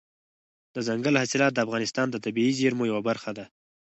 دځنګل حاصلات د افغانستان د طبیعي زیرمو یوه برخه ده.